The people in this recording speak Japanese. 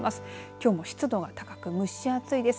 きょうも湿度が高く蒸し暑いです。